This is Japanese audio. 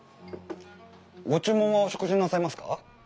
ご注文はお食事になさいますか？